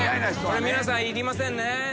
これ皆さんいりませんね。